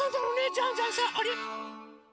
ジャンジャンさあれ？